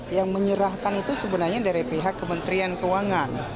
yang menyerahkan itu sebenarnya dari pihak kementerian keuangan